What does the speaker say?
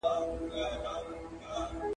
ستا مقاله پرون پوهنتون کي ومنل سوه.